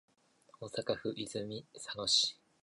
大阪府泉佐野市